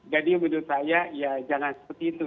jadi menurut saya ya jangan seperti itu